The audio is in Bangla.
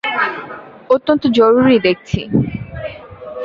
অত্যন্ত জরুরি দেখছি।